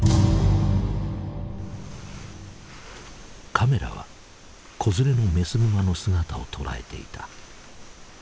カメラは子連れのメスグマの姿を捉えていた。